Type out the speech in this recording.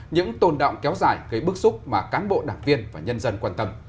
những tồn động kéo dài gây bức xúc mà cán bộ đảng viên và nhân dân quan tâm